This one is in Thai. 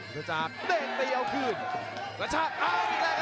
ประเภทมัยยังอย่างปักส่วนขวา